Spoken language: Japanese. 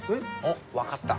分かった。